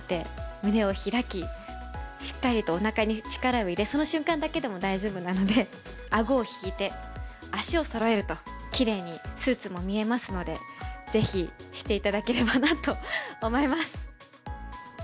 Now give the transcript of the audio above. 胸を開き、しっかりとおなかに力を入れ、その瞬間だけでも大丈夫なので、あごを引いて、足をそろえると、きれいにスーツも見えますので、ぜひしていただければなと思います。